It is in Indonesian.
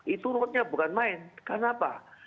itu rute nya bukan main karena apa